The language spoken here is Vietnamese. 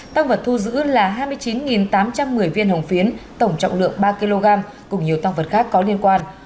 tăng vật thu giữ là hai mươi chín tám trăm một mươi viên hồng phiến tổng trọng lượng ba kg cùng nhiều tăng vật khác có liên quan